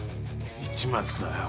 市松だよ。